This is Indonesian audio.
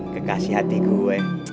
kekasih hati gue